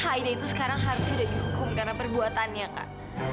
aida itu sekarang harusnya jadi hukum karena perbuatannya kak